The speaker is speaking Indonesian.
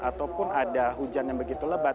ataupun ada hujan yang begitu lebat